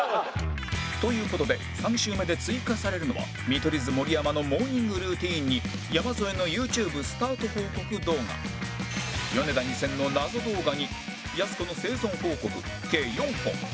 という事で３周目で追加されるのは見取り図盛山の「モーニングルーティン」に山添のユーチューブスタート報告動画ヨネダ２０００の謎動画にやす子の生存報告計４本